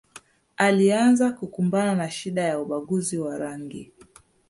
Alianza kukumbana na shida ya ubaguzi wa rangi